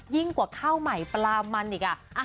ยิ่งกว่าข้าวใหม่ปลามันอีก